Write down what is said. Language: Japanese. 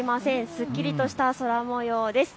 すっきりとした空もようです。